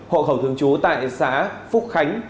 hộ khẩu thường trú tại xã phúc khánh